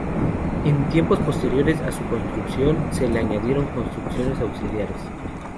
En tiempos posteriores a su construcción se le añadieron construcciones auxiliares.